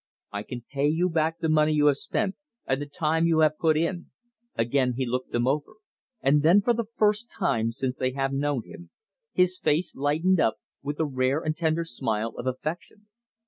I can pay you back the money you have spent and the time you have put in " Again he looked them over, and then for the first time since they have known him his face lighted up with a rare and tender smile of affection.